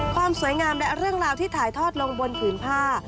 ความสวยงามและเรื่องราวที่ถ่ายทอดลงบนผืนผ้า